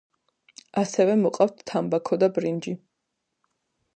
ასევე მოყავთ თამბაქო და ბრინჯი.